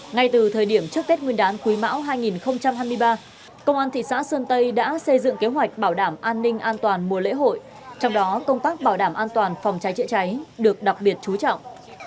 ngay từ thời điểm trước tết nguyên đán quý mão hai nghìn hai mươi ba công an thị xã sơn tây đã xây dựng kế hoạch bảo đảm an ninh an toàn mùa lễ hội trong đó công tác bảo đảm an toàn phòng cháy chữa cháy được đặc biệt chú trọng